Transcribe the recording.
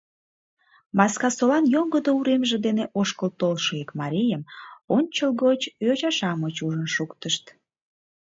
Маскасолан йоҥгыдо уремже дене ошкыл толшо ик марийым ончылгоч йоча-шамыч ужын шуктышт.